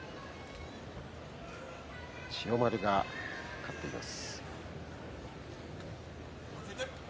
千代丸が勝っています。